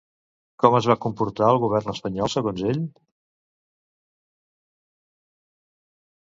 Com es va comportar el Govern espanyol, segons ell?